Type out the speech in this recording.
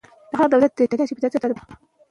ښځې د سولې او ثبات په ټینګښت کې مرسته کوي.